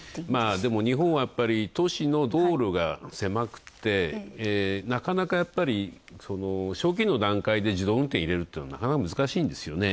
でも日本は、都市の道路が狭くてなかなかやっぱり、初期の段階で自動運転を入れるというのは、なかなか難しいんですよね。